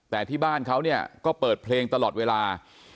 แต่ที่บ้านเขาเนี่ยก็เปิดเพลงตลอดเวลา